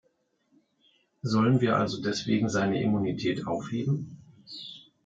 Sollen wir also deswegen seine Immunität aufheben?